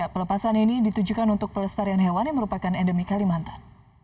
pelepasan ini ditujukan untuk pelestarian hewan yang merupakan endemi kalimantan